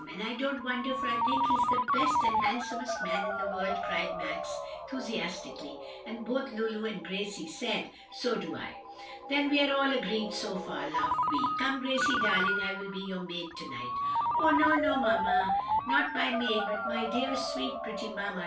And I don't wonder, for I think he's the very best and handsomest man in the world," cried Max enthusiastically, and both Lulu and Gracie said, "So do I." "Then we are all agreed so far," laughed Vi. "Come, Gracie, darling, I will be your maid to night." "No, no! not my maid, but my dear, sweet, pretty mamma!"